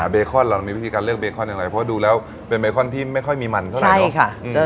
เบคอนเรามีวิธีการเลือกเบคอนอย่างไรเพราะดูแล้วเป็นเบคอนที่ไม่ค่อยมีมันเท่าไหร่